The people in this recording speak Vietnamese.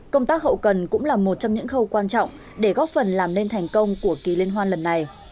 công tác hậu cần cũng là một trong những khâu quan trọng để góp phần làm nên thành công của kỳ liên hoan lần này